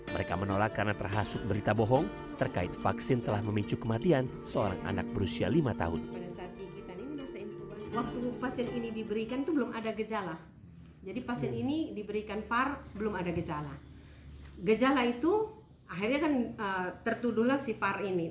mereka menolak karena terhasut berita bohong terkait vaksin telah memicu kematian seorang anak berusia lima tahun